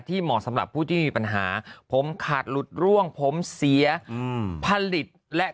เหมาะสำหรับผู้ที่มีปัญหาผมขาดหลุดร่วงผมเสียผลิตและ